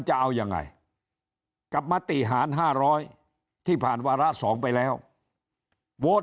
จะเอายังไงกับมติหาร๕๐๐ที่ผ่านวาระ๒ไปแล้วโหวต